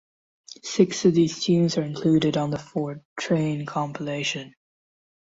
Six of these tunes are included on the "For Trane" compilation.